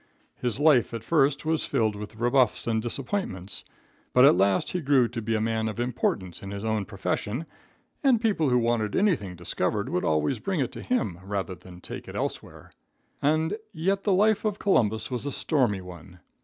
His life at first was filled with rebuffs and disappointments, but at last he grew to be a man of importance in his own profession, and the people who wanted anything discovered would always bring it to him rather than take it elsewhere. And yet the life of Columbus was a stormy one.